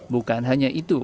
bukan hanya itu